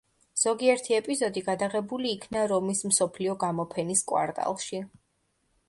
ზოგიერთი ეპიზოდი გადაღებული იქნა რომის მსოფლიო გამოფენის კვარტალში.